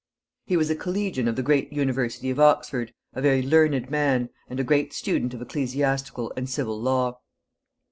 He was a collegian of the great University of Oxford, a very learned man, and a great student of ecclesiastical and civil law.